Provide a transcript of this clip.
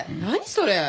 それ！